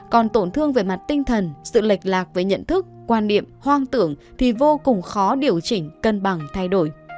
còn tổn thương về mặt tinh thần sự lệch lạc với nhận thức quan niệm hoang tưởng thì vô cùng khó điều chỉnh cân bằng thay đổi